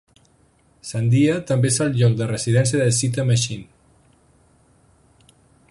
Sandia també és el lloc de residència de Z Machine.